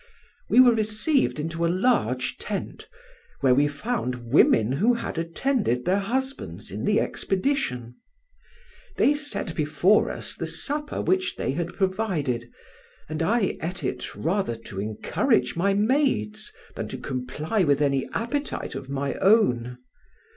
"We were received into a large tent, where we found women who had attended their husbands in the expedition. They set before us the supper which they had provided, and I ate it rather to encourage my maids than to comply with any appetite of my own.